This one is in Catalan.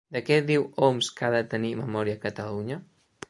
De què diu Homs que ha de tenir memòria Catalunya?